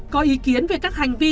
có ý kiến về các hành vi